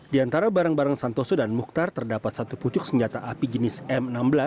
di antara barang barang santoso dan mukhtar terdapat satu pucuk senjata api jenis m enam belas